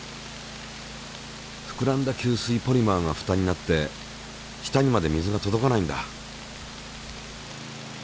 ふくらんだ吸水ポリマーがふたになって下にまで水が届かないんだ。